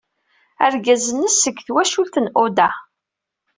Argaz-nnes seg twacult n Oda.